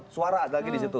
suara lagi di situ